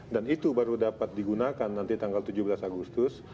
dan itu baru dapat digunakan nanti tanggal tujuh belas agustus